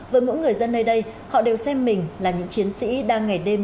với mỗi người dân nơi đây họ đều xem mình là những chiến sĩ đang ngày đêm